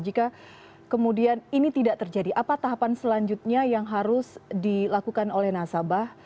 jika kemudian ini tidak terjadi apa tahapan selanjutnya yang harus dilakukan oleh nasabah